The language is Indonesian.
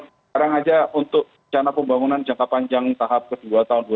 sekarang saja untuk rencana pembangunan jangka panjang tahap ke dua tahun dua ribu dua puluh lima